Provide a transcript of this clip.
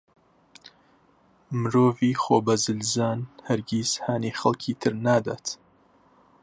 مرۆڤی خۆبەزلزان هەرگیز هانی خەڵکی تر نادات.